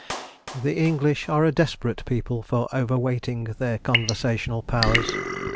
The English are a desperate people for overweighting their conversational powers.